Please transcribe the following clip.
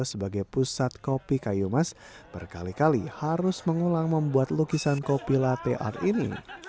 sebagai pusat kopi kayu mas berkali kali harus mengulang membuat lukisan kopi latte art ini